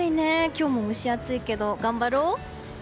今日も蒸し暑いけど頑張ろう。